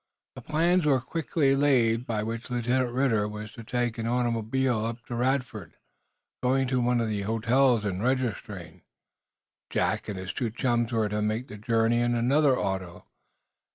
The plans were quickly laid by which Lieutenant Ridder was to take an automobile up to Radford, going to one of the hotels and registering. Jack and his two chums were to make the journey in another auto.